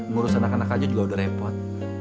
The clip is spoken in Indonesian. ngurus anak anak aja juga udah repot